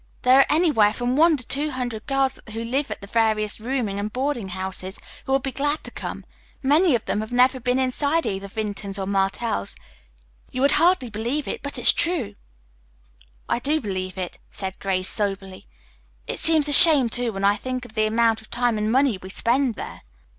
There are anywhere from one to two hundred girls who live at the various rooming and boarding houses who will be glad to come. Many of them have never been inside either Vinton's or Martell's. You would hardly believe it, but it's true." "I do believe it," said Grace soberly. "It seems a shame, too, when I think of the amount of time and money we spend there."